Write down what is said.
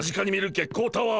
月光タワー？